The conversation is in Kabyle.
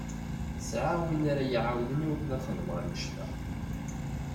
Sɛiɣ win ara yi-iɛawnen i wakken ad xedmeɣ annect-a.